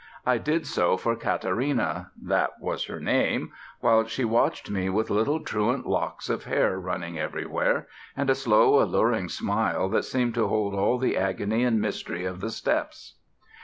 I did so for Katarina that was her name while she watched me with little truant locks of hair running everywhere, and a slow, alluring smile that seemed to hold all the agony and mystery of the steppes.